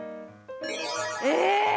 え？